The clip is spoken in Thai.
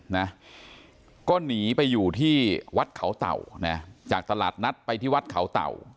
นะก็หนีไปอยู่ที่วัดเขาเต่านะจากตลาดนัดไปที่วัดเขาเต่า